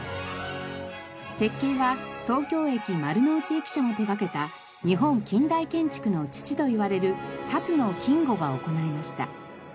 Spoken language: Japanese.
設計は東京駅丸の内駅舎も手がけた日本近代建築の父といわれる辰野金吾が行いました。